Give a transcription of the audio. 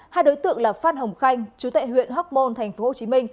hai đối tượng là phan hồng khanh chú tệ huyện hoc mon tp hcm